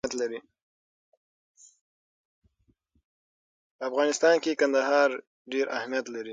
په افغانستان کې کندهار ډېر اهمیت لري.